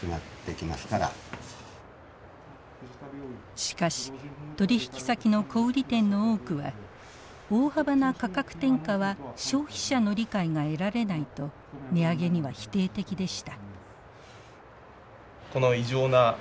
しかし取引先の小売店の多くは大幅な価格転嫁は消費者の理解が得られないと値上げには否定的でした。